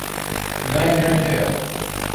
نانیان هەیە.